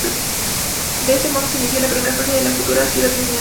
De ese modo se inició la primera fase de la futura Ciudad Lineal.